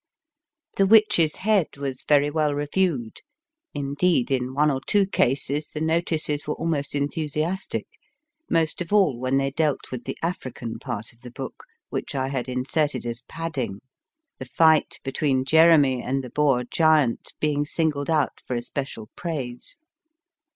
1 The Witch s Head was very well reviewed ; indeed, in one or two cases, the notices were almost enthusiastic, most of all when they dealt with the African part of the book, which I had inserted as padding, the fight between Jeremy and the Boer giant being singled out for especial praise.